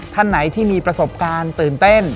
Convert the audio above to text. ท่านไหนที่มีประสบการณ์ตื่นเต้น